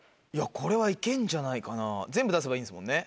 これはいけんじゃないかな全部出せばいいんですもんね。